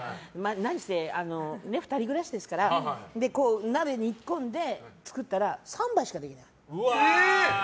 何せ、２人暮らしですから。鍋で煮込んで作ったら３杯しかできない。